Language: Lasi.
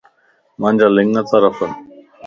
مانجا لنڳ تارڦن